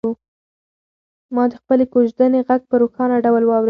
ما د خپلې کوژدنې غږ په روښانه ډول واورېد.